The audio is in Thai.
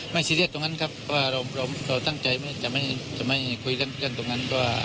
ไม่ซีเรียสกับการทำอะไรต่างตรงนั้น